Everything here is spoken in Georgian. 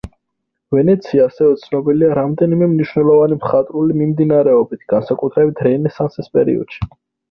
ვენეცია ასევე ცნობილია რამდენიმე მნიშვნელოვანი მხატვრული მიმდინარეობით, განსაკუთრებით რენესანსის პერიოდში.